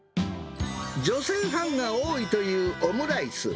女性ファンが多いというオムライス。